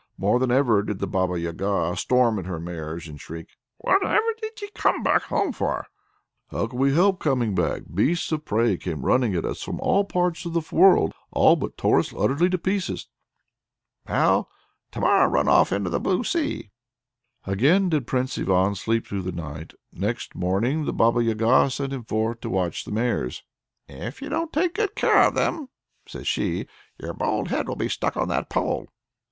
More than ever did the Baba Yaga storm at her mares and shriek: "Whatever did ye come back home for?" "How could we help coming back? Beasts of prey came running at us from all parts of the world, all but tore us utterly to pieces." "Well, to morrow run off into the blue sea." Again did Prince Ivan sleep through the night. Next morning the Baba Yaga sent him forth to watch the mares: "If you don't take good care of them," says she, "your bold head will be stuck on that pole!"